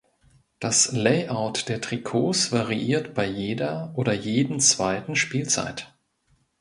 Das Layout der Trikots variiert bei jeder oder jeden zweiten Spielzeit.